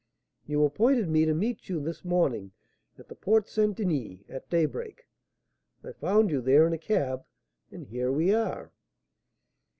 You appointed me to meet you this morning at the Porte St. Denis, at daybreak; I found you there in a cab, and here we are."